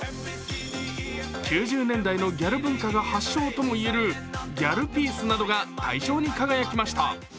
９０年代のギャル文化が発祥ともいえるギャルピースなどが大賞に輝きました。